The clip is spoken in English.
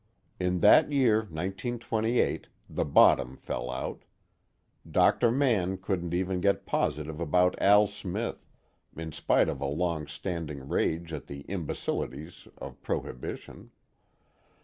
In that year 1928 the bottom fell out; Dr. Mann couldn't even get positive about Al Smith, in spite of a long standing rage at the imbecilities of Prohibition.